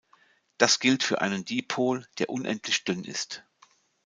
Das gilt für einen Dipol, der unendlich dünn ist.